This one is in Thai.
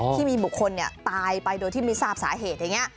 ที่มีบุคคลตายไปโดยที่ไม่ทราบสาเหตุอย่างนี้